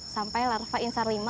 sampai larva insar lima